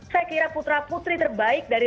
saya kira putra putri terbaik dari